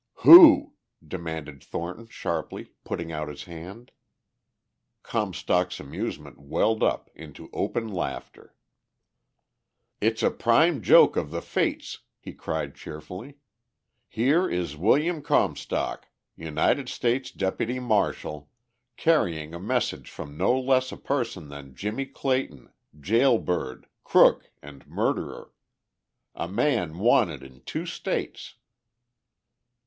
"Who?" demanded Thornton sharply, putting out his hand. Comstock's amusement welled up into open laughter. "It's a prime joke of the Fates," he cried cheerfully. "Here is William Comstock, United States Deputy Marshal, carrying a message from no less a person than Jimmie Clayton, jail bird, crook and murderer! A man wanted in two states!"